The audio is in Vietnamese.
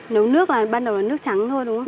nấu nước là ban đầu là nước trắng thôi đúng không